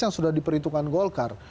yang sudah diperhitungkan golkar